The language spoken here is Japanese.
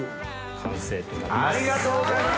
完成となります。